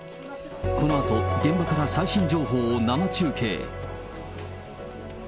このあと、現場から最新情報を生中継。